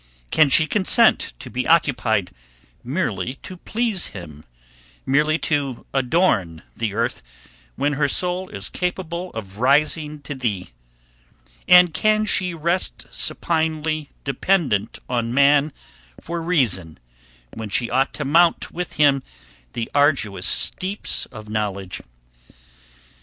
Can she consent to be occupied merely to please him; merely to adorn the earth, when her soul is capable of rising to thee? And can she rest supinely dependent on man for reason, when she ought to mount with him the arduous steeps of knowledge?